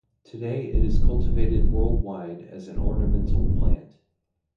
Today, it is cultivated worldwide as an ornamental plant.